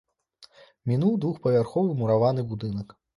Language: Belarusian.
Мінуў двухпавярховы мураваны будынак.